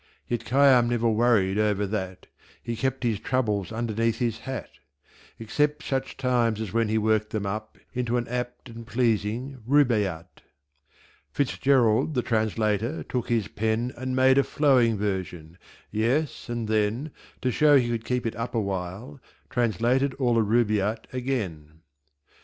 Yet Khayyam never worried over that He kept his Troubles underneath his Hat Except such Times as when he worked them up Into an Apt and Pleasing Rubaiyat. Fitzgerald, the Translator, took his Pen And made a flowing Version; yes, and then To show that he could keep it up a While, Translated all the Rubaiyat again.